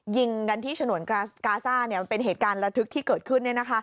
ยิงกันที่ฉนวนกาซ่ามันเป็นเหตุการณ์ระทึกที่เกิดขึ้น